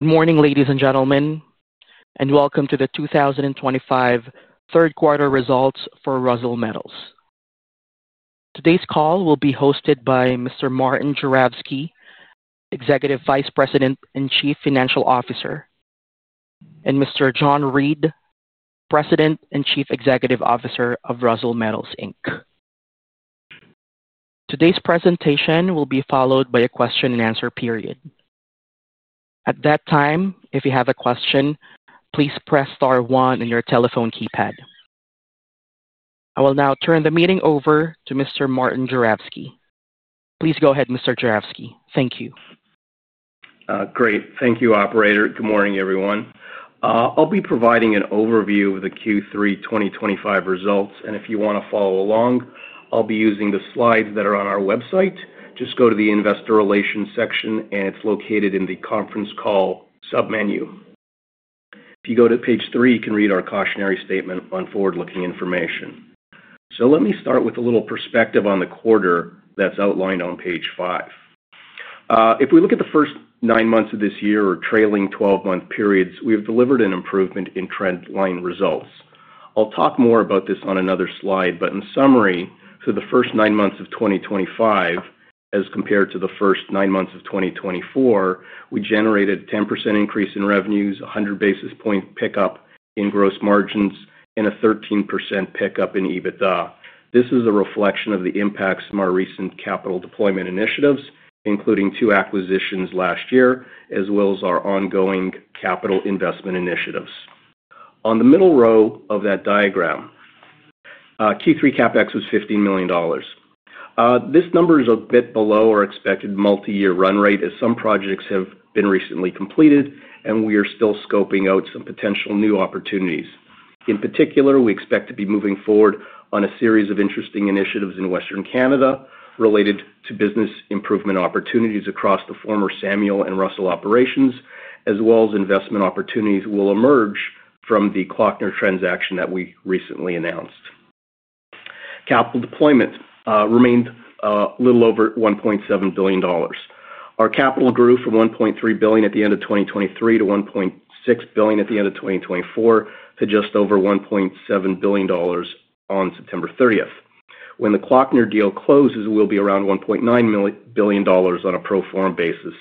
Good morning, ladies and gentlemen, and welcome to the 2025 third-quarter results for Russel Metals. Today's call will be hosted by Mr. Martin Juravsky, Executive Vice President and Chief Financial Officer. And Mr. John Reid, President and Chief Executive Officer of Russel Metals, Inc. Today's presentation will be followed by a question-and-answer period. At that time, if you have a question, please press star one on your telephone keypad. I will now turn the meeting over to Mr. Martin Juravsky. Please go ahead, Mr. Juravsky. Thank you. Great. Thank you, Operator. Good morning, everyone. I'll be providing an overview of the Q3 2025 results, and if you want to follow along, I'll be using the slides that are on our website. Just go to the Investor Relations section, and it's located in the Conference Call submenu. If you go to page three, you can read our cautionary statement on forward-looking information. So let me start with a little perspective on the quarter that's outlined on page five. If we look at the first nine months of this year, or trailing 12-month periods, we have delivered an improvement in trendline results. I'll talk more about this on another slide, but in summary, for the first nine months of 2025, as compared to the first nine months of 2024, we generated a 10% increase in revenues, a 100 basis point pickup in gross margins, and a 13% pickup in EBITDA. This is a reflection of the impacts of our recent capital deployment initiatives, including two acquisitions last year, as well as our ongoing capital investment initiatives. On the middle row of that diagram, Q3 CapEx was 15 million dollars. This number is a bit below our expected multi-year run rate, as some projects have been recently completed, and we are still scoping out some potential new opportunities. In particular, we expect to be moving forward on a series of interesting initiatives in Western Canada related to business improvement opportunities across the former Samuel and Russel operations, as well as investment opportunities that will emerge from the Klöckner transaction that we recently announced. Capital deployment remained a little over 1.7 billion dollars. Our capital grew from 1.3 billion at the end of 2023 to 1.6 billion at the end of 2024 to just over 1.7 billion dollars on September 30th. When the Klöckner deal closes, we'll be around 1.9 billion dollars on a pro-form basis.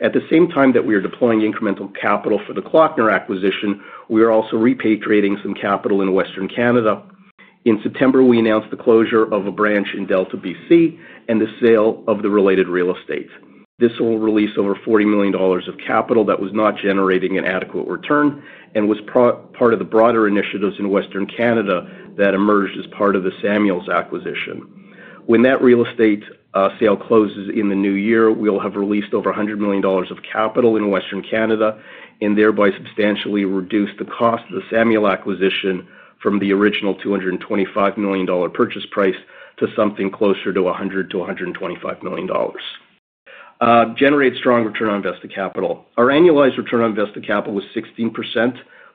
At the same time that we are deploying incremental capital for the Klöckner acquisition, we are also repatriating some capital in Western Canada. In September, we announced the closure of a branch in Delta B.C. and the sale of the related real estate. This will release over 40 million dollars of capital that was not generating an adequate return and was part of the broader initiatives in Western Canada that emerged as part of the Samuels acquisition. When that real estate sale closes in the new year, we'll have released over 100 million dollars of capital in Western Canada and thereby substantially reduced the cost of the Samuel acquisition from the original 225 million dollar purchase price to something closer to 100-125 million dollars. Generate strong return on invested capital. Our annualized return on invested capital was 16%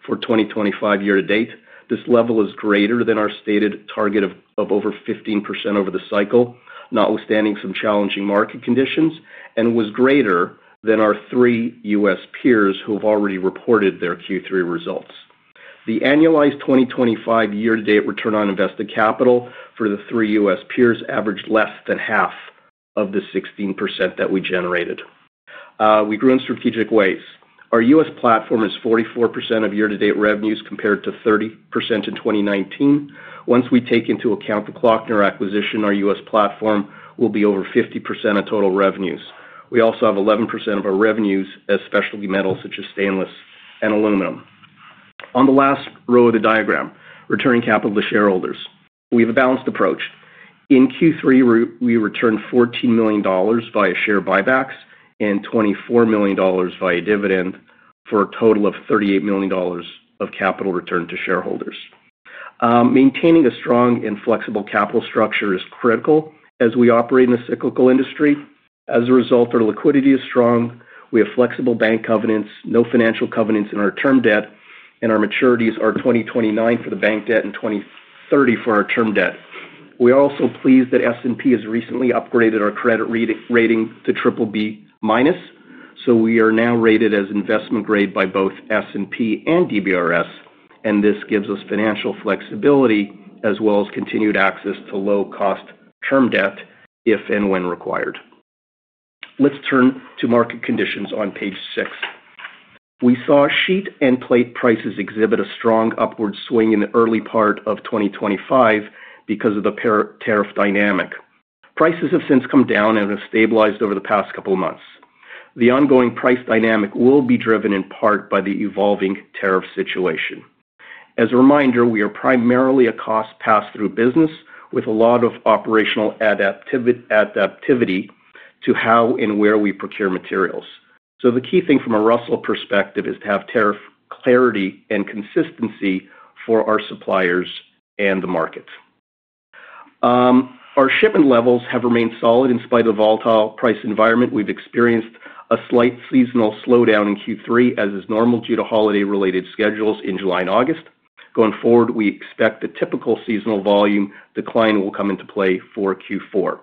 for 2025 year-to-date. This level is greater than our stated target of over 15% over the cycle, notwithstanding some challenging market conditions, and was greater than our three U.S. peers who have already reported their Q3 results. The annualized 2025 year-to-date return on invested capital for the three U.S. peers averaged less than half of the 16% that we generated. We grew in strategic ways. Our U.S. platform is 44% of year-to-date revenues compared to 30% in 2019. Once we take into account the Klöckner acquisition, our U.S. platform will be over 50% of total revenues. We also have 11% of our revenues as specialty metals such as stainless and aluminum. On the last row of the diagram, returning capital to shareholders. We have a balanced approach. In Q3, we returned 14 million dollars via share buybacks and 24 million dollars via dividend for a total of 38 million dollars of capital return to shareholders. Maintaining a strong and flexible capital structure is critical as we operate in a cyclical industry. As a result, our liquidity is strong. We have flexible bank covenants, no financial covenants in our term debt, and our maturities are 2029 for the bank debt and 2030 for our term debt. We are also pleased that S&P has recently upgraded our credit rating to BBB-, so we are now rated as investment-grade by both S&P and DBRS, and this gives us financial flexibility as well as continued access to low-cost term debt if and when required. Let's turn to market conditions on page six. We saw sheet and plate prices exhibit a strong upward swing in the early part of 2025 because of the tariff dynamic. Prices have since come down and have stabilized over the past couple of months. The ongoing price dynamic will be driven in part by the evolving tariff situation. As a reminder, we are primarily a cost pass-through business with a lot of operational adaptivity to how and where we procure materials. So the key thing from a Russel perspective is to have tariff clarity and consistency for our suppliers and the market. Our shipment levels have remained solid in spite of the volatile price environment. We've experienced a slight seasonal slowdown in Q3, as is normal due to holiday-related schedules in July and August. Going forward, we expect the typical seasonal volume decline will come into play for Q4.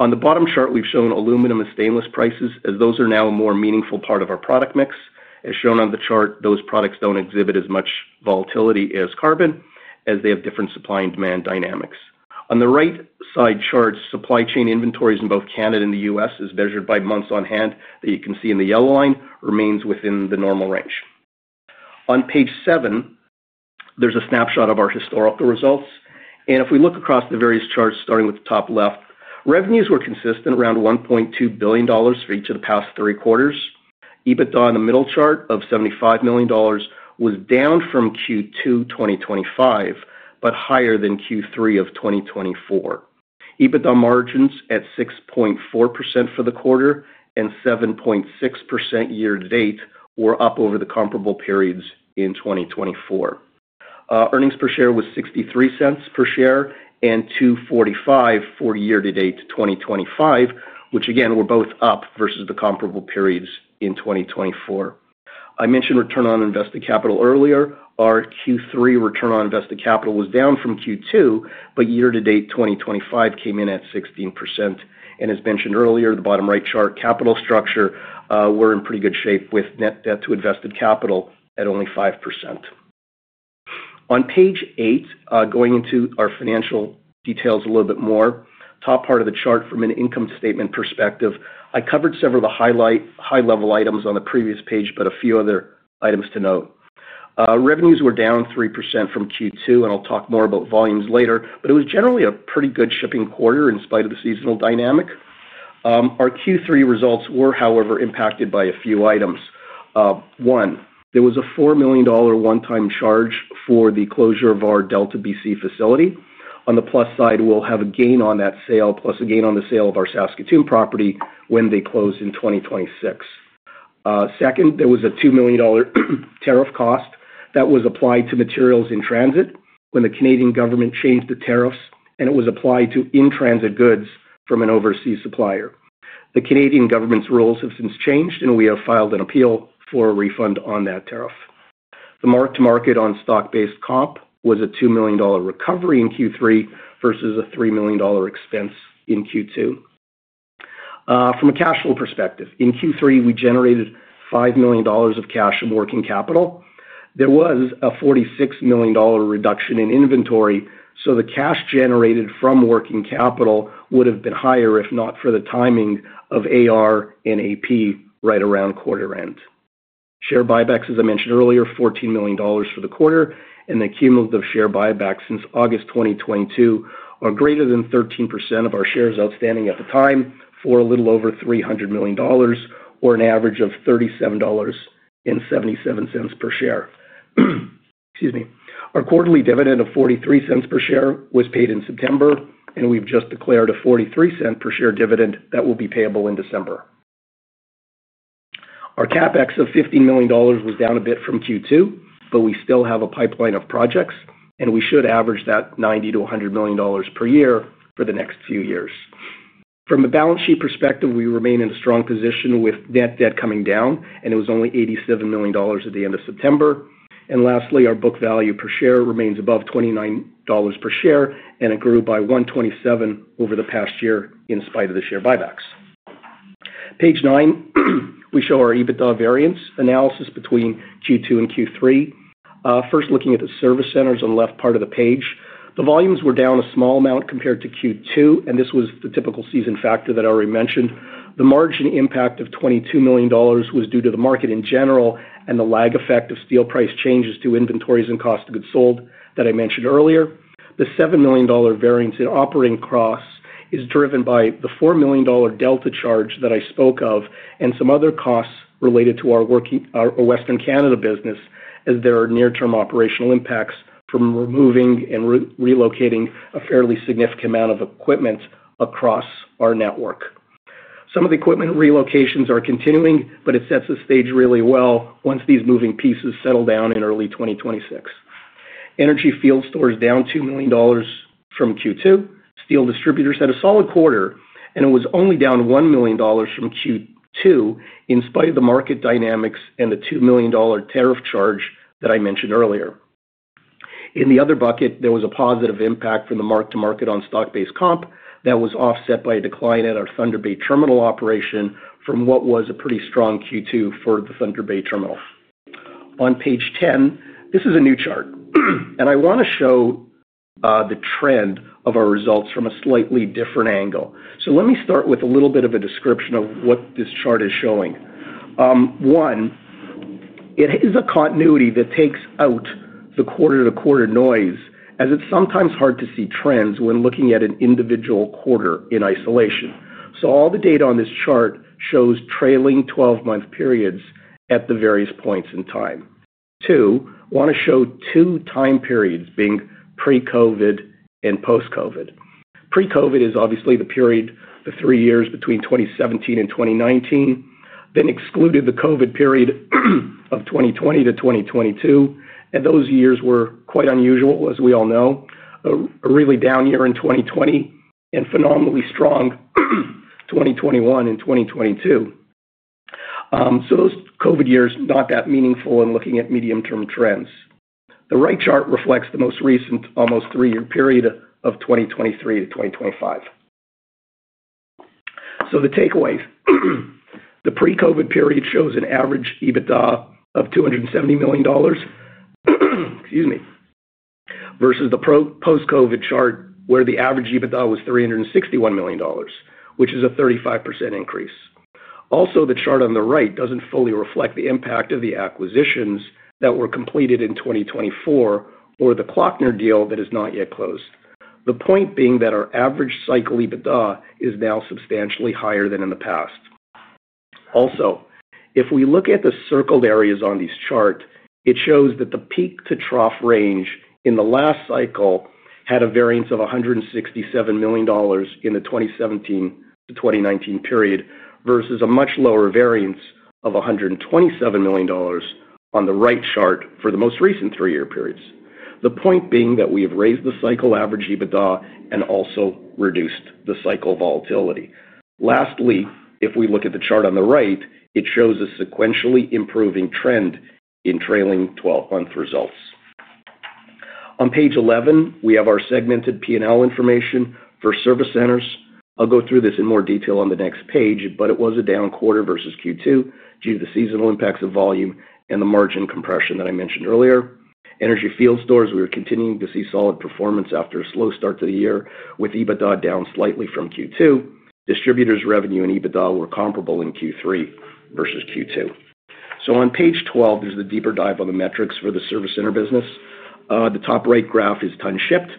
On the bottom chart, we've shown aluminum and stainless prices as those are now a more meaningful part of our product mix. As shown on the chart, those products don't exhibit as much volatility as carbon as they have different supply and demand dynamics. On the right-side chart, supply chain inventories in both Canada and the US, as measured by months on hand that you can see in the yellow line, remain within the normal range. On page seven, there's a snapshot of our historical results. And if we look across the various charts, starting with the top left, revenues were consistent around 1.2 billion dollars for each of the past three quarters. EBITDA on the middle chart of 75 million dollars was down from Q2 2025 but higher than Q3 of 2024. EBITDA margins at 6.4% for the quarter and 7.6% year-to-date were up over the comparable periods in 2024. Earnings per share was 0.63 per share and 2.45 for year-to-date 2025, which, again, were both up versus the comparable periods in 2024. I mentioned return on invested capital earlier. Our Q3 return on invested capital was down from Q2, but year-to-date 2025 came in at 16%. And as mentioned earlier, the bottom right chart, capital structure were in pretty good shape with net debt to invested capital at only 5%. On page eight, going into our financial details a little bit more, top part of the chart from an income statement perspective, I covered several of the high-level items on the previous page, but a few other items to note. Revenues were down 3% from Q2, and I'll talk more about volumes later, but it was generally a pretty good shipping quarter in spite of the seasonal dynamic. Our Q3 results were, however, impacted by a few items. One, there was a 4 million dollar one-time charge for the closure of our Delta B.C. facility. On the plus side, we'll have a gain on that sale, plus a gain on the sale of our Saskatoon property when they close in 2026. Second, there was a 2 million dollar. Tariff cost that was applied to materials in transit when the Canadian government changed the tariffs, and it was applied to in-transit goods from an overseas supplier. The Canadian government's rules have since changed, and we have filed an appeal for a refund on that tariff. The mark-to-market on stock-based comp was a 2 million dollar recovery in Q3 versus a 3 million dollar expense in Q2. From a cash flow perspective, in Q3, we generated 5 million dollars of cash and working capital. There was a 46 million dollar reduction in inventory, so the cash generated from working capital would have been higher if not for the timing of AR and AP right around quarter end. Share buybacks, as I mentioned earlier, 14 million dollars for the quarter, and the cumulative share buybacks since August 2022 are greater than 13% of our shares outstanding at the time for a little over 300 million dollars, or an average of 37 dollars. 77 per share. Excuse me. Our quarterly dividend of 0.43 per share was paid in September, and we've just declared a 0.43 per share dividend that will be payable in December. Our CapEx of 15 million dollars was down a bit from Q2, but we still have a pipeline of projects, and we should average that 90 to 100 million dollars per year for the next few years. From a balance sheet perspective, we remain in a strong position with net debt coming down, and it was only 87 million dollars at the end of September. And lastly, our book value per share remains above 29 dollars per share, and it grew by 1.27 over the past year in spite of the share buybacks. Page nine, we show our EBITDA variance analysis between Q2 and Q3. First, looking at the service centers on the left part of the page, the volumes were down a small amount compared to Q2, and this was the typical season factor that I already mentioned. The margin impact of 22 million dollars was due to the market in general and the lag effect of steel price changes to inventories and cost of goods sold that I mentioned earlier. The 7 million dollar variance in operating costs is driven by the 4 million dollar Delta charge that I spoke of and some other costs related to our. Western Canada business, as there are near-term operational impacts from removing and relocating a fairly significant amount of equipment across our network. Some of the equipment relocations are continuing, but it sets the stage really well once these moving pieces settle down in early 2026. Energy field store is down 2 million dollars from Q2. Steel distributors had a solid quarter, and it was only down 1 million dollars from Q2 in spite of the market dynamics and the 2 million dollar tariff charge that I mentioned earlier. In the other bucket, there was a positive impact from the mark-to-market on stock-based comp that was offset by a decline in our Thunder Bay terminal operation from what was a pretty strong Q2 for the Thunder Bay terminal. On page 10, this is a new chart, and I want to show. The trend of our results from a slightly different angle. So let me start with a little bit of a description of what this chart is showing. One. It is a continuity that takes out the quarter-to-quarter noise, as it's sometimes hard to see trends when looking at an individual quarter in isolation. So all the data on this chart shows trailing 12-month periods at the various points in time. Two, I want to show two time periods being pre-COVID and post-COVID. Pre-COVID is obviously the period, the three years between 2017 and 2019. Then excluded the COVID period of 2020 to 2022, and those years were quite unusual, as we all know. A really down year in 2020 and phenomenally strong. 2021 and 2022. So those COVID years are not that meaningful in looking at medium-term trends. The right chart reflects the most recent almost three-year period of 2023 to 2025. So the takeaways. The pre-COVID period shows an average EBITDA of 270 million dollars. Excuse me. Versus the post-COVID chart where the average EBITDA was 361 million dollars, which is a 35% increase. Also, the chart on the right doesn't fully reflect the impact of the acquisitions that were completed in 2024 or the Klöckner deal that is not yet closed. The point being that our average cycle EBITDA is now substantially higher than in the past. Also, if we look at the circled areas on this chart, it shows that the peak-to-trough range in the last cycle had a variance of 167 million dollars in the 2017 to 2019 period versus a much lower variance of 127 million dollars on the right chart for the most recent three-year periods. The point being that we have raised the cycle average EBITDA and also reduced the cycle volatility. Lastly, if we look at the chart on the right, it shows a sequentially improving trend in trailing 12-month results. On page 11, we have our segmented P&L information for service centers. I'll go through this in more detail on the next page, but it was a down quarter versus Q2 due to the seasonal impacts of volume and the margin compression that I mentioned earlier. Energy field stores, we were continuing to see solid performance after a slow start to the year with EBITDA down slightly from Q2. Distributors' revenue and EBITDA were comparable in Q3 versus Q2. So on page 12, there's the deeper dive on the metrics for the service center business. The top right graph is time-shipped.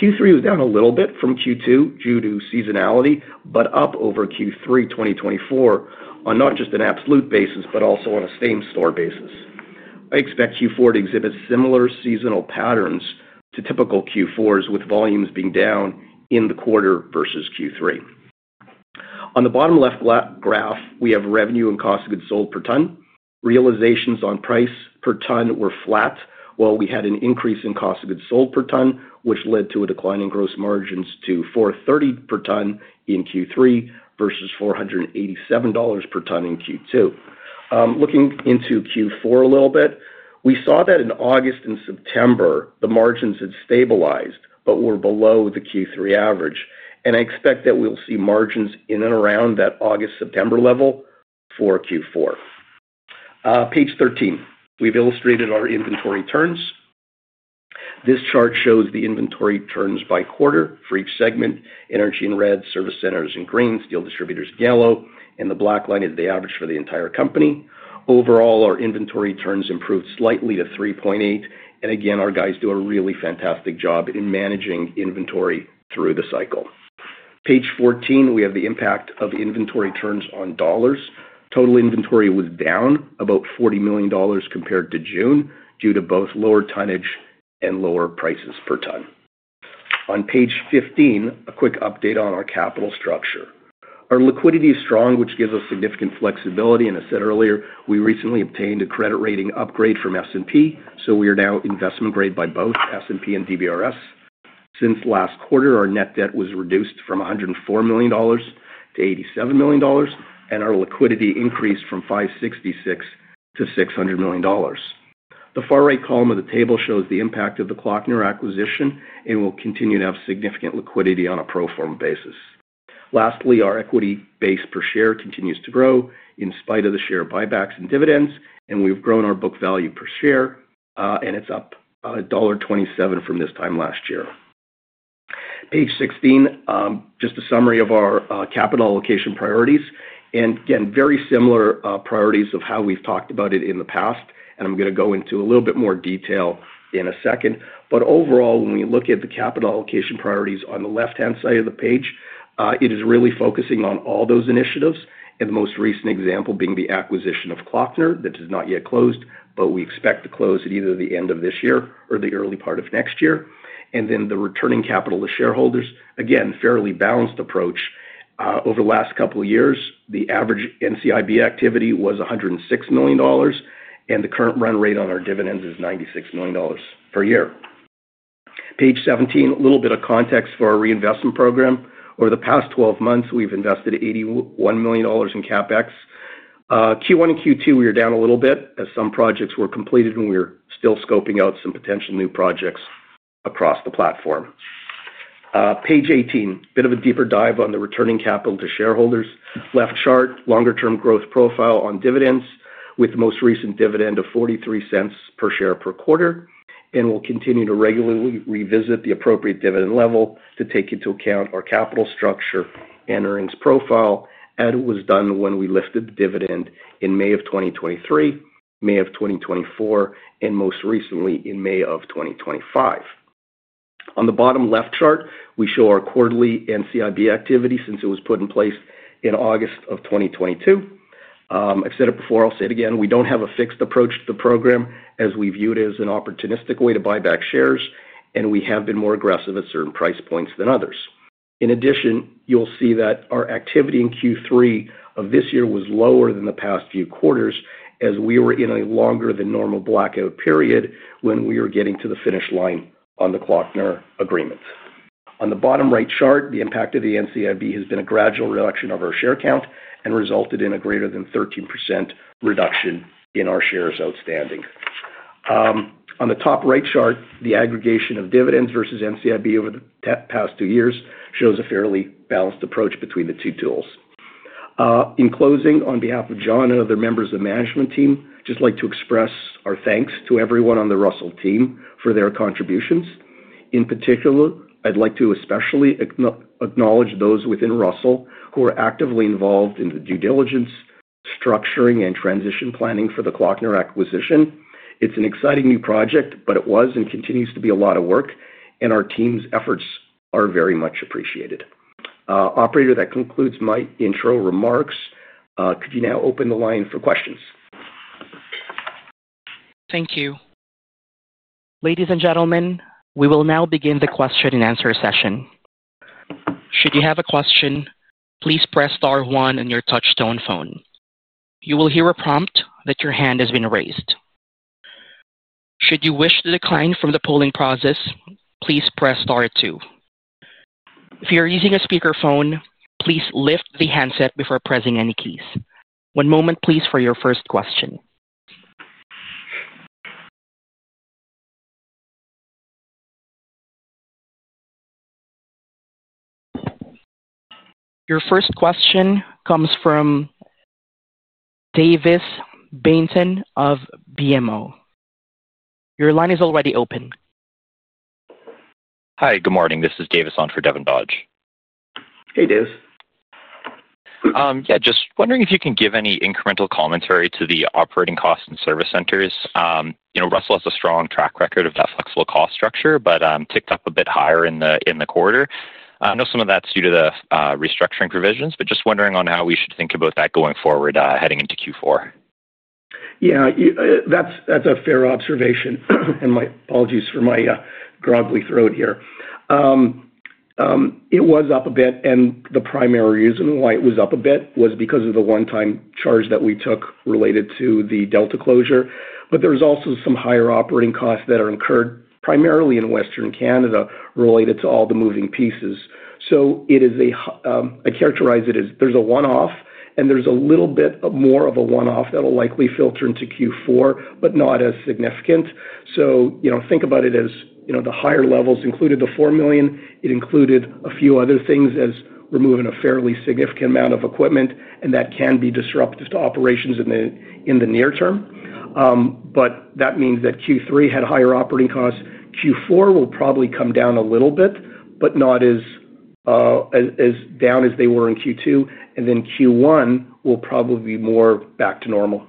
Q3 was down a little bit from Q2 due to seasonality, but up over Q3 2024 on not just an absolute basis, but also on a same-store basis. I expect Q4 to exhibit similar seasonal patterns to typical Q4s with volumes being down in the quarter versus Q3. On the bottom left graph, we have revenue and cost of goods sold per ton. Realizations on price per ton were flat, while we had an increase in cost of goods sold per ton, which led to a decline in gross margins to 430 per ton in Q3 versus 487 dollars per ton in Q2. Looking into Q4 a little bit, we saw that in August and September, the margins had stabilized but were below the Q3 average. And I expect that we'll see margins in and around that August-September level for Q4. Page 13, we've illustrated our inventory turns. This chart shows the inventory turns by quarter for each segment: Energy in red, service centers in green, steel distributors in yellow, and the black line is the average for the entire company. Overall, our inventory turns improved slightly to 3.8. And again, our guys do a really fantastic job in managing inventory through the cycle. Page 14, we have the impact of inventory turns on dollars. Total inventory was down about 40 million dollars compared to June due to both lower tonnage and lower prices per ton. On page 15, a quick update on our capital structure. Our liquidity is strong, which gives us significant flexibility. And as I said earlier, we recently obtained a credit rating upgrade from S&P, so we are now investment-grade by both S&P and DBRS. Since last quarter, our net debt was reduced from 104 million dollars. To 87 million dollars, and our liquidity increased from 566 to 600 million dollars. The far right column of the table shows the impact of the Klöckner acquisition and will continue to have significant liquidity on a pro forma basis. Lastly, our equity base per share continues to grow in spite of the share buybacks and dividends, and we've grown our book value per share, and it's up dollar 1.27 from this time last year. Page 16, just a summary of our capital allocation priorities. And again, very similar priorities of how we've talked about it in the past, and I'm going to go into a little bit more detail in a second. But overall, when we look at the capital allocation priorities on the left-hand side of the page, it is really focusing on all those initiatives, and the most recent example being the acquisition of Klöckner that is not yet closed, but we expect to close at either the end of this year or the early part of next year. And then the returning capital to shareholders, again, fairly balanced approach. Over the last couple of years, the average NCIB activity was 106 million dollars, and the current run rate on our dividends is 96 million dollars per year. Page 17, a little bit of context for our reinvestment program. Over the past 12 months, we've invested 81 million dollars in CapEx. Q1 and Q2, we were down a little bit as some projects were completed, and we're still scoping out some potential new projects across the platform. Page 18, a bit of a deeper dive on the returning capital to shareholders. Left chart, longer-term growth profile on dividends with the most recent dividend of 0.43 per share per quarter. And we'll continue to regularly revisit the appropriate dividend level to take into account our capital structure and earnings profile as it was done when we lifted the dividend in May of 2023, May of 2024, and most recently in May of 2025. On the bottom left chart, we show our quarterly NCIB activity since it was put in place in August of 2022. I've said it before, I'll say it again. We don't have a fixed approach to the program as we view it as an opportunistic way to buy back shares, and we have been more aggressive at certain price points than others. In addition, you'll see that our activity in Q3 of this year was lower than the past few quarters as we were in a longer-than-normal blackout period when we were getting to the finish line on the Klöckner agreement. On the bottom right chart, the impact of the NCIB has been a gradual reduction of our share count and resulted in a greater than 13% reduction in our shares outstanding. On the top right chart, the aggregation of dividends versus NCIB over the past two years shows a fairly balanced approach between the two tools. In closing, on behalf of John and other members of the management team, I'd just like to express our thanks to everyone on the Russel team for their contributions. In particular, I'd like to especially acknowledge those within Russel who are actively involved in the due diligence, structuring, and transition planning for the Klöckner acquisition. It's an exciting new project, but it was and continues to be a lot of work, and our team's efforts are very much appreciated. Operator, that concludes my intro remarks. Could you now open the line for questions? Thank you. Ladies and gentlemen, we will now begin the question-and-answer session. Should you have a question, please press star one on your touchstone phone. You will hear a prompt that your hand has been raised. Should you wish to decline from the polling process, please press star two. If you're using a speakerphone, please lift the handset before pressing any keys. One moment, please, for your first question. Your first question comes Davis Baynton of BMO. Your line is already open. Hi, good morning. This is Davis on for Devin Dodge. Hey, Davis. Yeah, just wondering if you can give any incremental commentary to the operating costs and service centers. Russel has a strong track record of that flexible cost structure, but ticked up a bit higher in the quarter. I know some of that's due to the restructuring provisions, but just wondering on how we should think about that going forward heading into Q4. Yeah, that's a fair observation, and my apologies for my groggy throat here. It was up a bit, and the primary reason why it was up a bit was because of the one-time charge that we took related to the Delta closure. But there's also some higher operating costs that are incurred primarily in Western Canada related to all the moving pieces. So I characterize it as there's a one-off, and there's a little bit more of a one-off that'll likely filter into Q4, but not as significant. So think about it as the higher levels included the 4 million. It included a few other things as removing a fairly significant amount of equipment, and that can be disruptive to operations in the near term. But that means that Q3 had higher operating costs. Q4 will probably come down a little bit, but not as. Down as they were in Q2, and then Q1 will probably be more back to normal.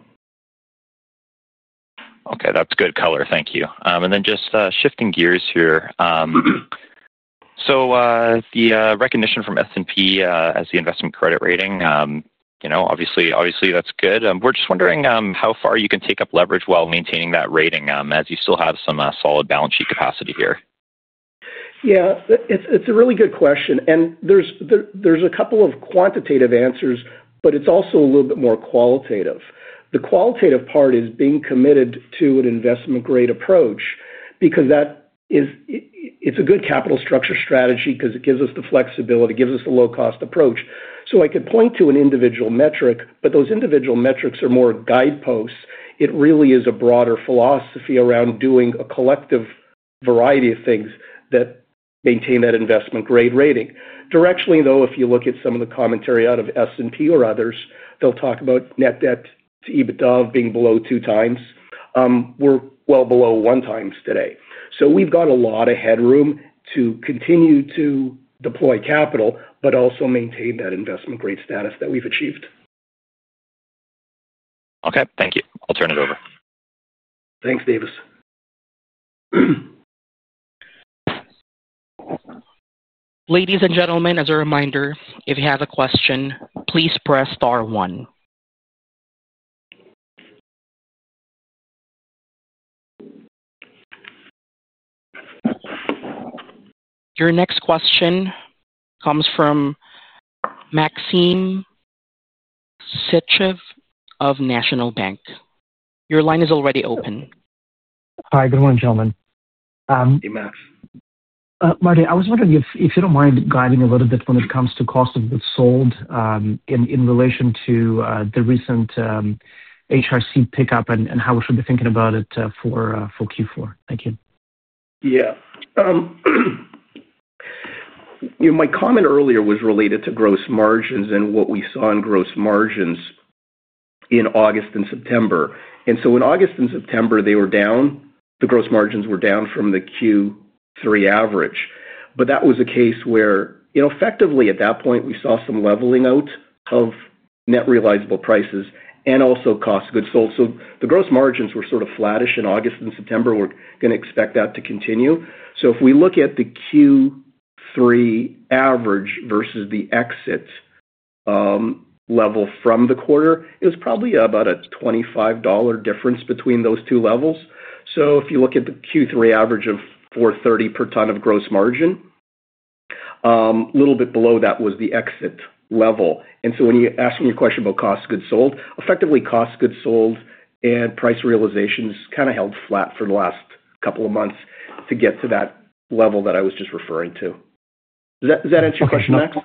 Okay, that's good color. Thank you. And then just shifting gears here. So the recognition from S&P as the investment credit rating, obviously, that's good. We're just wondering how far you can take up leverage while maintaining that rating as you still have some solid balance sheet capacity here. Yeah, it's a really good question. And there's a couple of quantitative answers, but it's also a little bit more qualitative. The qualitative part is being committed to an investment-grade approach because it's a good capital structure strategy because it gives us the flexibility, gives us the low-cost approach. So I could point to an individual metric, but those individual metrics are more guideposts. It really is a broader philosophy around doing a collective variety of things that maintain that investment-grade rating. Directionally, though, if you look at some of the commentary out of S&P or others, they'll talk about net debt to EBITDA being below two times. We're well below one times today. So we've got a lot of headroom to continue to deploy capital, but also maintain that investment-grade status that we've achieved. Okay, thank you. I'll turn it over. Thanks, Davis. Ladies and gentlemen, as a reminder, if you have a question, please press star one. Your next question comes from. Maxim Sytchev of National Bank. Your line is already open. Hi, good morning, gentlemen. Hey, Maxim. Martin, I was wondering if you don't mind guiding a little bit when it comes to cost of goods sold. In relation to the recent. HRC pickup and how we should be thinking about it for Q4. Thank you. Yeah. My comment earlier was related to gross margins and what we saw in gross margins. In August and September. And so in August and September, the gross margins were down from the Q3 average. But that was a case where effectively at that point, we saw some leveling out of net realizable prices and also cost of goods sold. So the gross margins were sort of flattish in August and September. We're going to expect that to continue. So if we look at the Q3 average versus the exit. Level from the quarter, it was probably about a 25 dollar difference between those two levels. So if you look at the Q3 average of 430 per ton of gross margin, a little bit below that was the exit level. And so when you asked me a question about cost of goods sold, effectively, cost of goods sold and price realizations kind of held flat for the last couple of months to get to that level that I was just referring to. Does that answer your question, Maxim?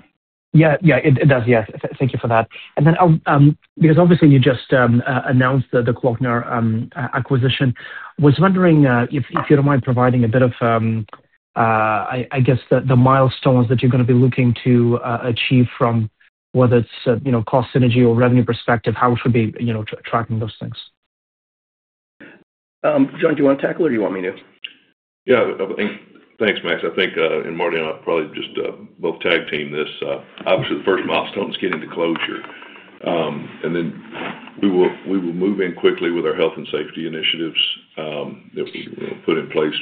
Yeah, yeah, it does. Yes. Thank you for that. And then because obviously you just announced the Klöckner acquisition, I was wondering if you don't mind providing a bit of. I guess, the milestones that you're going to be looking to achieve from whether it's cost synergy or revenue perspective, how should we be tracking those things? John, do you want to tackle it or do you want me to? Yeah, thanks, Maxim. I think, and Martin, and I'll probably just both tag-team this. Obviously, the first milestone is getting to closure. And then we will move in quickly with our health and safety initiatives that we will put in place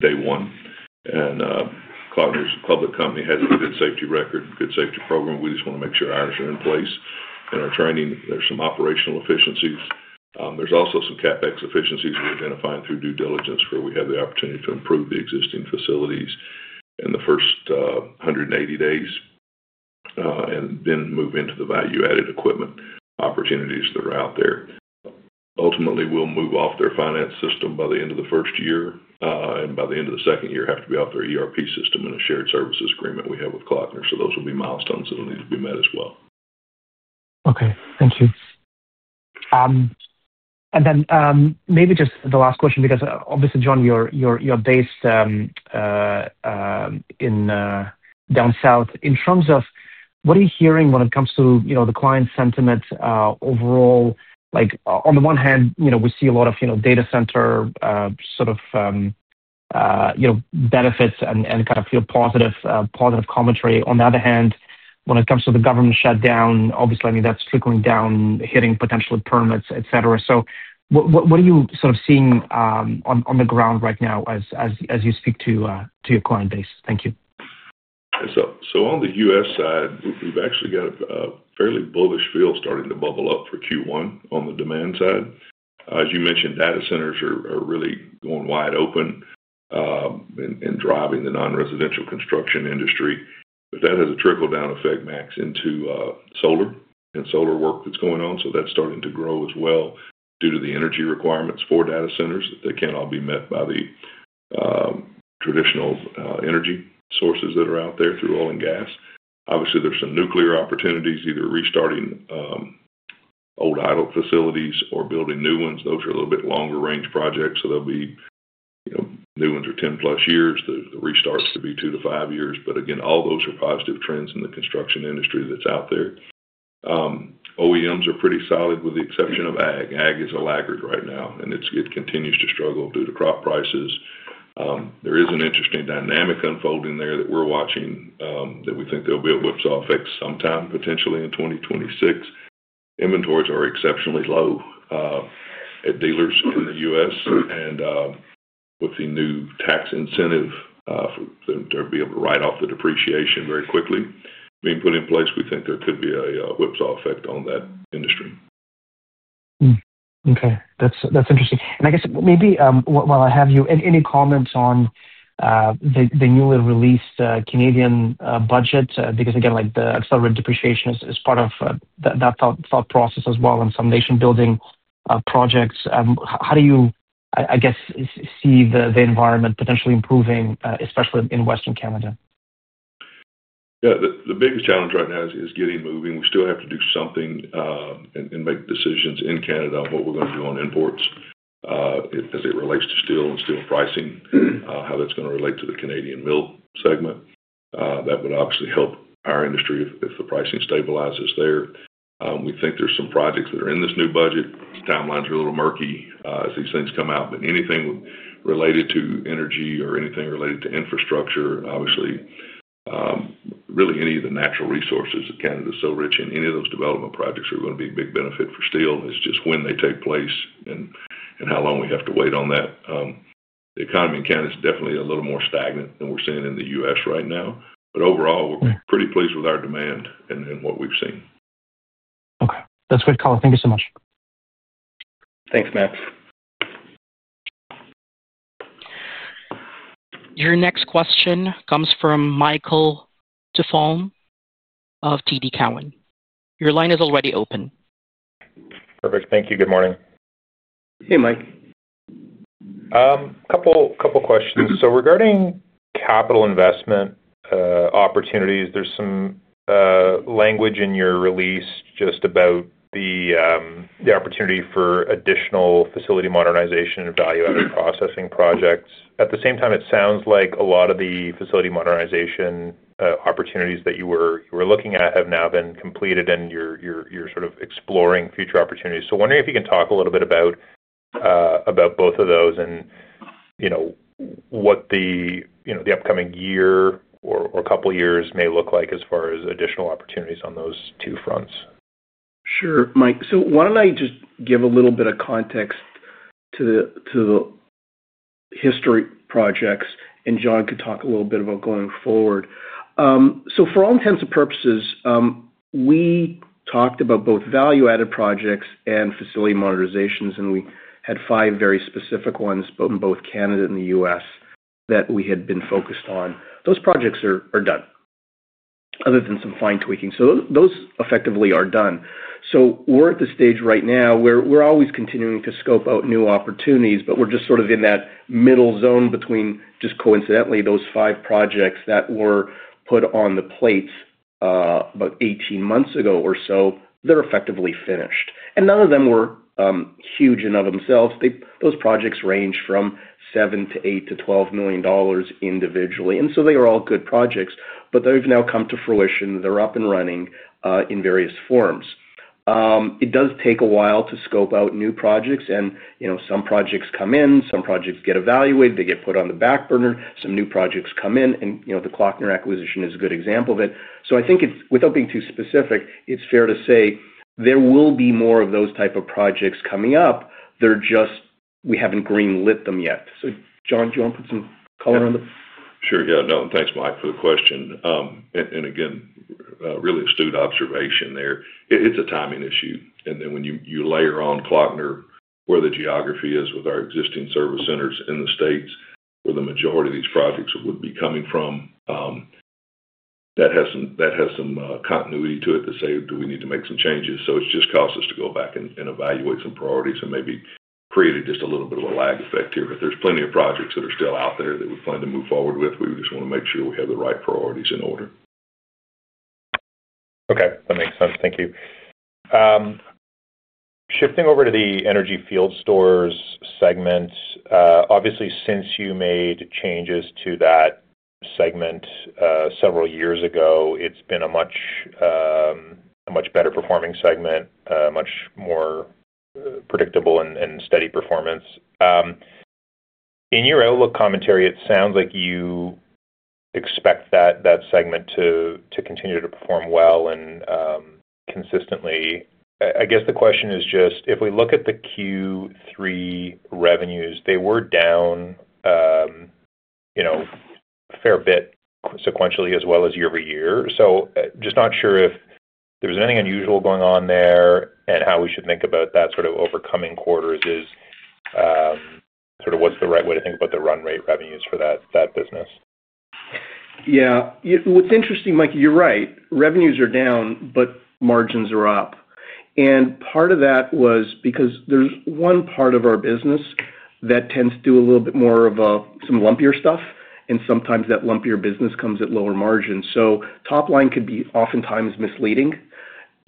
day one. And Klöckner is a public company. Has a good safety record, good safety program. We just want to make sure ours are in place. In our training, there's some operational efficiencies. There's also some CapEx efficiencies we're identifying through due diligence where we have the opportunity to improve the existing facilities in the first 180 days. And then move into the value-added equipment opportunities that are out there. Ultimately, we'll move off their finance system by the end of the first year, and by the end of the second year, have to be off their ERP system in a shared services agreement we have with Klöckner. So those will be milestones that will need to be met as well. Okay, thank you. And then maybe just the last question because obviously, John, you're based. In. Down south. In terms of what are you hearing when it comes to the client sentiment overall? On the one hand, we see a lot of data center sort of. Benefits and kind of positive commentary. On the other hand, when it comes to the government shutdown, obviously, I mean, that's trickling down, hitting potentially permits, etc. So what are you sort of seeing on the ground right now as you speak to your client base? Thank you. So on the U.S. side, we've actually got a fairly bullish feel starting to bubble up for Q1 on the demand side. As you mentioned, data centers are really going wide open. And driving the non-residential construction industry. But that has a trickle-down effect, Max, into solar and solar work that's going on. So that's starting to grow as well due to the energy requirements for data centers that cannot be met by the. Traditional energy sources that are out there through oil and gas. Obviously, there's some nuclear opportunities, either restarting. Old idle facilities or building new ones. Those are a little bit longer-range projects. So there'll be. New ones are 10-plus years. The restarts could be 2 to 5 years. But again, all those are positive trends in the construction industry that's out there. OEMs are pretty solid with the exception of Ag. Ag is a laggard right now, and it continues to struggle due to crop prices. There is an interesting dynamic unfolding there that we're watching that we think there'll be a whipsaw effect sometime potentially in 2026. Inventories are exceptionally low. At dealers in the U.S. and. With the new tax incentive. To be able to write off the depreciation very quickly being put in place, we think there could be a whipsaw effect on that industry. Okay, that's interesting. And I guess maybe while I have you, any comments on. The newly released Canadian budget? Because again, the accelerated depreciation is part of that thought process as well in some nation-building projects. How do you, I guess, see the environment potentially improving, especially in Western Canada? Yeah, the biggest challenge right now is getting moving. We still have to do something. And make decisions in Canada on what we're going to do on imports. As it relates to steel and steel pricing, how that's going to relate to the Canadian mill segment. That would obviously help our industry if the pricing stabilizes there. We think there's some projects that are in this new budget. Timelines are a little murky as these things come out. But anything related to energy or anything related to infrastructure, obviously. Really any of the natural resources that Canada is so rich in, any of those development projects are going to be a big benefit for steel. It's just when they take place and how long we have to wait on that. The economy in Canada is definitely a little more stagnant than we're seeing in the U.S. right now. But overall, we're pretty pleased with our demand and what we've seen. Okay, that's great color. Thank you so much. Thanks, Maxim. Your next question comes from Michael Tupholme of TD Cowen. Your line is already open. Perfect. Thank you. Good morning. Hey, Mike. A couple of questions. So regarding capital investment. Opportunities, there's some. Language in your release just about the. Opportunity for additional facility modernization and value-added processing projects. At the same time, it sounds like a lot of the facility modernization opportunities that you were looking at have now been completed, and you're sort of exploring future opportunities. So I'm wondering if you can talk a little bit about. Both of those and. What the upcoming year or a couple of years may look like as far as additional opportunities on those two fronts. Sure, Mike. So why don't I just give a little bit of context to the. History projects, and John could talk a little bit about going forward. So for all intents and purposes. We talked about both value-added projects and facility modernizations, and we had five very specific ones in both Canada and the U.S. that we had been focused on. Those projects are done. Other than some fine tweaking. So those effectively are done. So we're at the stage right now where we're always continuing to scope out new opportunities, but we're just sort of in that middle zone between just coincidentally those five projects that were put on the plates. About 18 months ago or so. They're effectively finished. And none of them were huge in and of themselves. Those projects range from 7 to 8 to 12 million dollars individually. And so they are all good projects, but they've now come to fruition. They're up and running in various forms. It does take a while to scope out new projects. And some projects come in. Some projects get evaluated. They get put on the back burner. Some new projects come in. And the Klöckner acquisition is a good example of it. So I think without being too specific, it's fair to say there will be more of those types of projects coming up. We haven't greenlit them yet. So John, do you want to put some color on that? Sure. Yeah. No, thanks, Mike, for the question. And again, really astute observation there. It's a timing issue. And then when you layer on Klöckner, where the geography is with our existing service centers in the states where the majority of these projects would be coming from. That has some continuity to it to say, "Do we need to make some changes?" So it just caused us to go back and evaluate some priorities and maybe create just a little bit of a lag effect here. But there's plenty of projects that are still out there that we plan to move forward with. We just want to make sure we have the right priorities in order. Okay, that makes sense. Thank you. Shifting over to the energy field stores segment, obviously, since you made changes to that segment. Several years ago, it's been a. Much. Better-performing segment, much more. Predictable and steady performance. In your outlook commentary, it sounds like you. Expect that segment to continue to perform well and. Consistently. I guess the question is just, if we look at the Q3 revenues, they were down. A fair bit sequentially as well as year over year. So just not sure if there's anything unusual going on there and how we should think about that sort of overcoming quarters is. Sort of what's the right way to think about the run rate revenues for that business. Yeah. What's interesting, Mike, you're right. Revenues are down, but margins are up. And part of that was because there's one part of our business that tends to do a little bit more of some lumpier stuff. And sometimes that lumpier business comes at lower margins. So top line could be oftentimes misleading.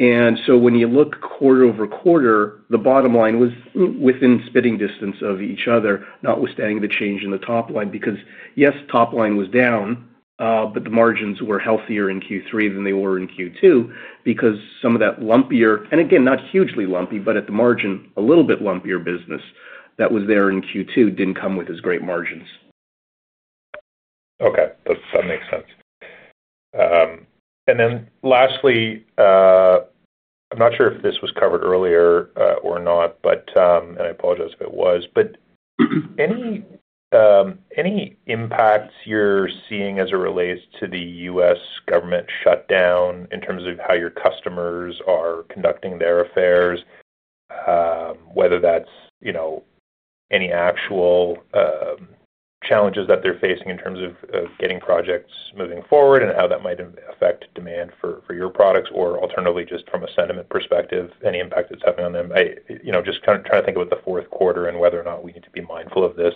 And so when you look quarter over quarter, the bottom line was within spitting distance of each other, notwithstanding the change in the top line. Because yes, top line was down. But the margins were healthier in Q3 than they were in Q2 because some of that lumpier, and again, not hugely lumpy, but at the margin, a little bit lumpier business that was there in Q2 didn't come with as great margins. Okay, that makes sense. And then lastly. I'm not sure if this was covered earlier or not, and I apologize if it was, but. Any. Impacts you're seeing as it relates to the U.S. government shutdown in terms of how your customers are conducting their affairs. Whether that's. Any actual. Challenges that they're facing in terms of getting projects moving forward and how that might affect demand for your products, or alternatively, just from a sentiment perspective, any impact it's having on them. Just kind of trying to think about the fourth quarter and whether or not we need to be mindful of this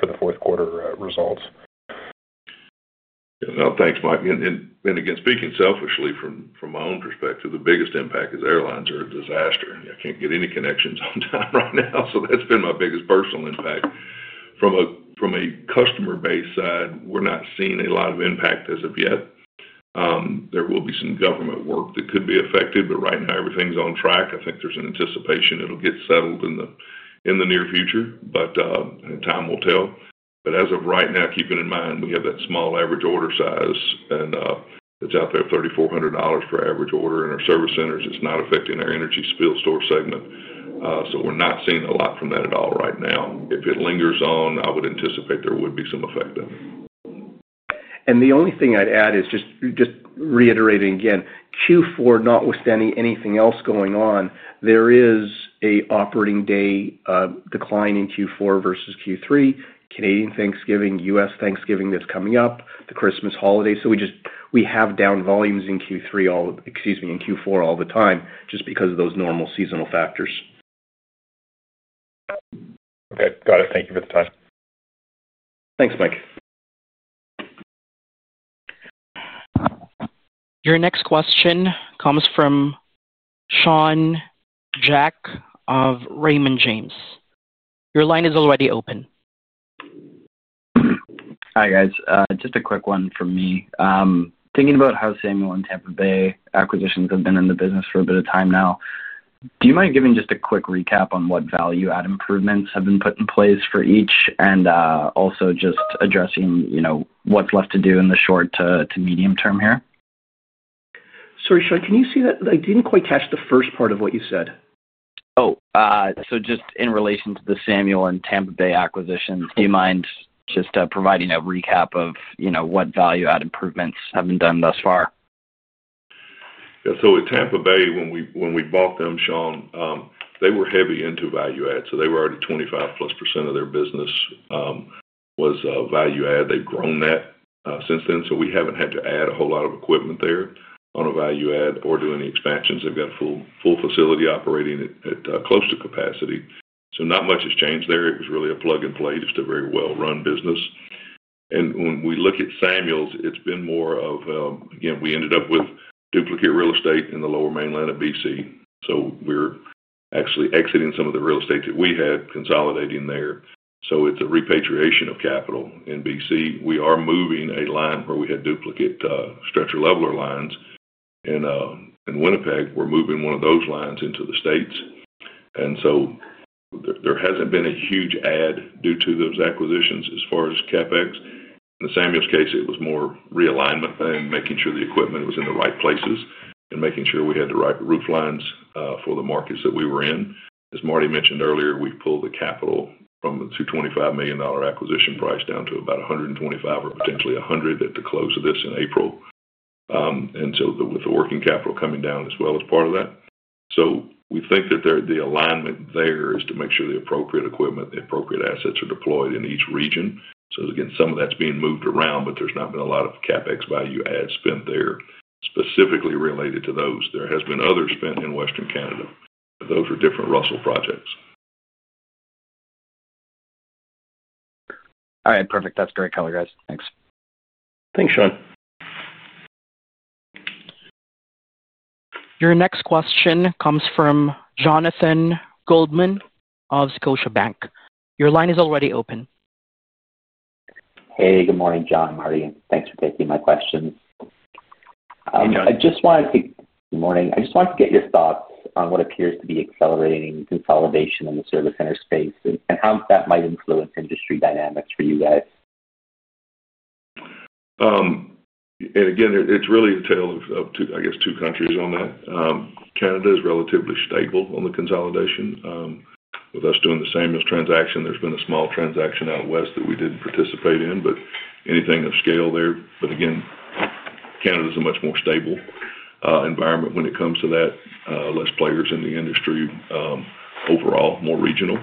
for the fourth quarter results. No, thanks, Mike. And again, speaking selfishly from my own perspective, the biggest impact is airlines are a disaster. I can't get any connections on time right now. So that's been my biggest personal impact. From a customer-based side, we're not seeing a lot of impact as of yet. There will be some government work that could be affected, but right now, everything's on track. I think there's an anticipation it'll get settled in the near future, but time will tell. But as of right now, keeping in mind, we have that small average order size, and it's out there at 3,400 dollars per average order in our service centers. It's not affecting our energy field store segment. So we're not seeing a lot from that at all right now. If it lingers on, I would anticipate there would be some effect of it. And the only thing I'd add is just reiterating again, Q4, notwithstanding anything else going on, there is an operating day decline in Q4 versus Q3, Canadian Thanksgiving, U.S. Thanksgiving that's coming up, the Christmas holiday. So we have down volumes in Q3, excuse me, in Q4 all the time just because of those normal seasonal factors. Okay, got it. Thank you for the time. Thanks, Mike. Your next question comes from. Sean Jack of Raymond James. Your line is already open. Hi, guys. Just a quick one from me. Thinking about how Samuel and Tampa Bay acquisitions have been in the business for a bit of time now, do you mind giving just a quick recap on what value-add improvements have been put in place for each and also just addressing what's left to do in the short to medium term here? Sorry, Sean, can you see that? I didn't quite catch the first part of what you said. Oh, so just in relation to the Samuel and Tampa Bay acquisitions, do you mind just providing a recap of what value-add improvements have been done thus far? Yeah. So at Tampa Bay, when we bought them, Sean, they were heavy into value-add. So they were already 25-plus percent of their business. Was value-add. They've grown that since then. So we haven't had to add a whole lot of equipment there on a value-add or do any expansions. They've got a full facility operating at close to capacity. So not much has changed there. It was really a plug-and-play, just a very well-run business. And when we look at Samuel's, it's been more of, again, we ended up with duplicate real estate in the lower mainland of B.C. So we're actually exiting some of the real estate that we had, consolidating there. So it's a repatriation of capital in B.C. We are moving a line where we had duplicate stretcher-leveler lines. In Winnipeg, we're moving one of those lines into the States. And so. There hasn't been a huge add due to those acquisitions as far as CapEx. In Samuel's case, it was more realignment and making sure the equipment was in the right places and making sure we had the right roof lines for the markets that we were in. As Martin mentioned earlier, we pulled the capital from the 225 million dollar acquisition price down to about 125 or potentially 100 at the close of this in April. And so with the working capital coming down as well as part of that. So we think that the alignment there is to make sure the appropriate equipment, the appropriate assets are deployed in each region. So again, some of that's being moved around, but there's not been a lot of CapEx value-add spent there specifically related to those. There has been other spent in Western Canada. Those were different Russel projects. All right. Perfect. That's great coverage, guys. Thanks. Thanks, Sean. Your next question comes from Jonathan Goldman of Scotiabank. Your line is already open. Hey, good morning, John, Martin. And thanks for taking my questions. I just wanted to—good morning. I just wanted to get your thoughts on what appears to be accelerating consolidation in the service center space and how that might influence industry dynamics for you guys. And again, it's really a tale of, I guess, two countries on that. Canada is relatively stable on the consolidation. With us doing the same transaction, there's been a small transaction out west that we didn't participate in, but anything of scale there. But again. Canada is a much more stable. Environment when it comes to that. Less players in the industry. Overall, more regional.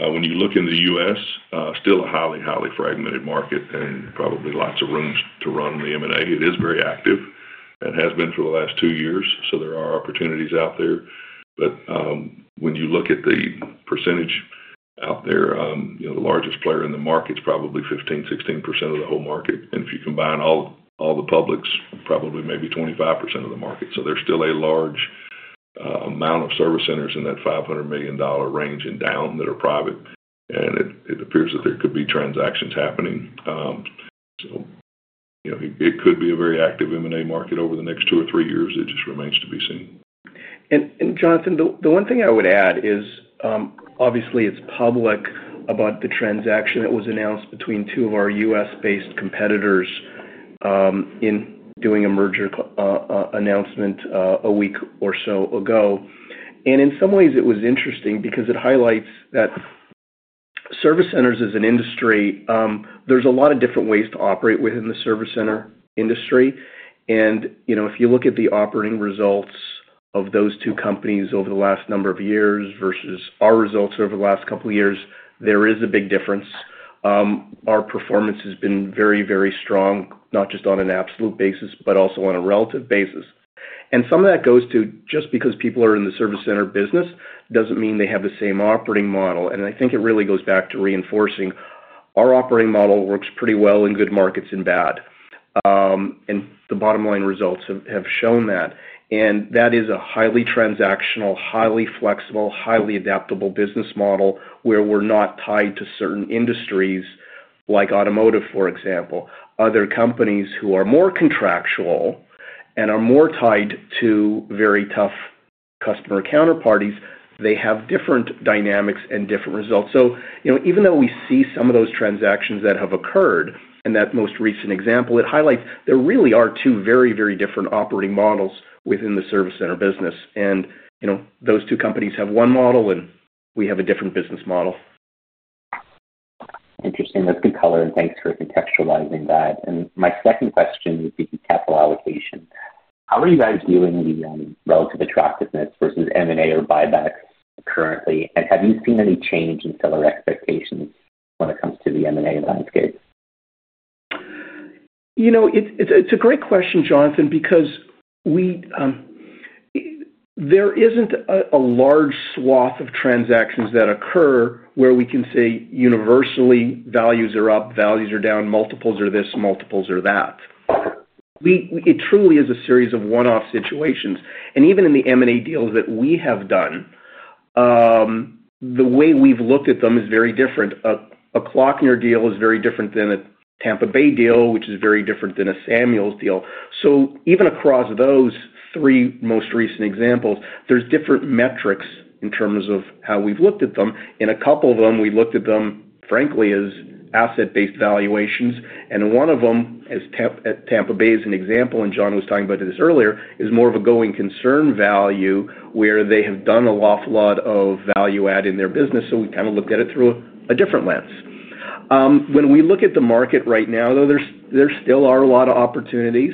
When you look in the US, still a highly, highly fragmented market and probably lots of rooms to run in the M&A. It is very active and has been for the last two years. So there are opportunities out there. But when you look at the percentage out there, the largest player in the market is probably 15, 16 percent of the whole market. And if you combine all the publics, probably maybe 25 percent of the market. So there's still a large. Amount of service centers in that 500 million dollar range and down that are private. And it appears that there could be transactions happening. So. It could be a very active M&A market over the next two or three years. It just remains to be seen. And Jonathan, the one thing I would add is. Obviously, it's public about the transaction that was announced between two of our US-based competitors. In doing a merger announcement a week or so ago. And in some ways, it was interesting because it highlights that. Service centers as an industry, there's a lot of different ways to operate within the service center industry. And if you look at the operating results of those two companies over the last number of years versus our results over the last couple of years, there is a big difference. Our performance has been very, very strong, not just on an absolute basis, but also on a relative basis. And some of that goes to just because people are in the service center business doesn't mean they have the same operating model. And I think it really goes back to reinforcing our operating model works pretty well in good markets and bad. And the bottom line results have shown that. And that is a highly transactional, highly flexible, highly adaptable business model where we're not tied to certain industries like automotive, for example. Other companies who are more contractual and are more tied to very tough customer counterparties, they have different dynamics and different results. So even though we see some of those transactions that have occurred and that most recent example, it highlights there really are two very, very different operating models within the service center business. And those two companies have one model, and we have a different business model. Interesting. That's good color. And thanks for contextualizing that. And my second question would be capital allocation. How are you guys viewing the relative attractiveness versus M&A or buybacks currently? And have you seen any change in seller expectations when it comes to the M&A landscape? It's a great question, Jonathan, because. There isn't a large swath of transactions that occur where we can say universally values are up, values are down, multiples are this, multiples are that. It truly is a series of one-off situations. And even in the M&A deals that we have done. The way we've looked at them is very different. A Klöckner deal is very different than a Tampa Bay deal, which is very different than a Samuels deal. So even across those three most recent examples, there's different metrics in terms of how we've looked at them. And a couple of them, we looked at them, frankly, as asset-based valuations. And one of them, as Tampa Bay is an example, and John was talking about this earlier, is more of a going concern value where they have done a lot of value-add in their business. So we kind of looked at it through a different lens. When we look at the market right now, though, there still are a lot of opportunities.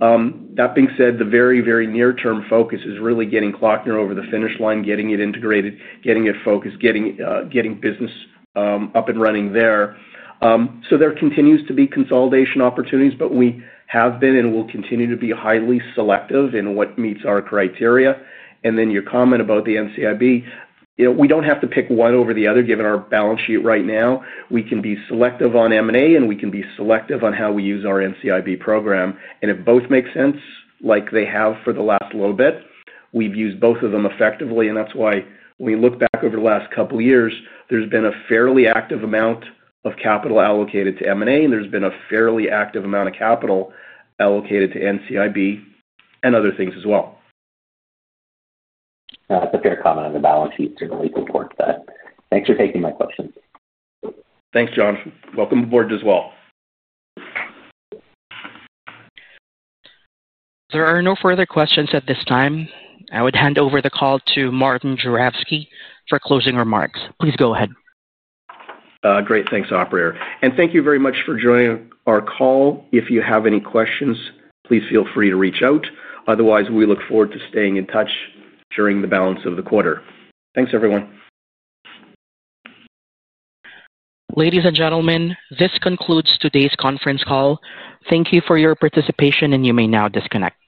That being said, the very, very near-term focus is really getting Klöckner over the finish line, getting it integrated, getting it focused, getting business. Up and running there. So there continues to be consolidation opportunities, but we have been and will continue to be highly selective in what meets our criteria. And then your comment about the NCIB, we don't have to pick one over the other. Given our balance sheet right now, we can be selective on M&A, and we can be selective on how we use our NCIB program. And if both make sense like they have for the last little bit, we've used both of them effectively. And that's why when we look back over the last couple of years, there's been a fairly active amount of capital allocated to M&A, and there's been a fairly active amount of capital allocated to NCIB and other things as well. That's a fair comment on the balance sheet. Certainly, support that. Thanks for taking my questions. Thanks, John. Welcome aboard as well. There are no further questions at this time. I would hand over the call to Martin Juravsky for closing remarks. Please go ahead. Great. Thanks, operator. And thank you very much for joining our call. If you have any questions, please feel free to reach out. Otherwise, we look forward to staying in touch during the balance of the quarter. Thanks, everyone. Ladies and gentlemen, this concludes today's conference call. Thank you for your participation, and you may now disconnect.